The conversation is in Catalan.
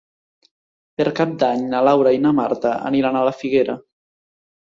Per Cap d'Any na Laura i na Marta aniran a la Figuera.